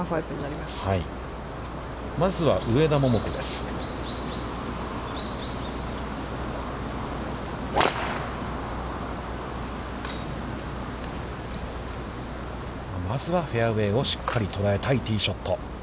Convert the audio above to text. まずはフェアウェイをしっかり捉えたいティーショット。